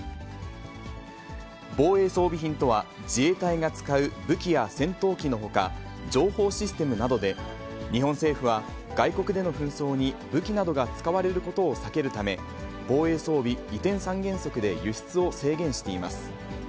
防衛装備品とは、自衛隊が使う武器や戦闘機のほか、情報システムなどで、日本政府は外国での紛争に武器などが使われることを避けるため、防衛装備移転三原則で輸出を制限しています。